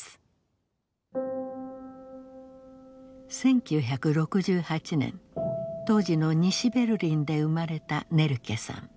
１９６８年当時の西ベルリンで生まれたネルケさん。